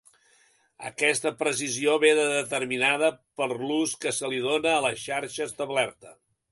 Aquesta precisió ve determinada per l'ús que se li dóna a la xarxa establerta.